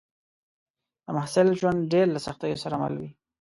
د محصل ژوند ډېر له سختیو سره مل وي